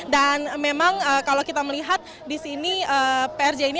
dan memang kalau kita melihat disini prj ini akan